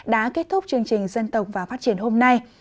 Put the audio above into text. đã kết thúc chương trình dân tộc và phát triển hôm nay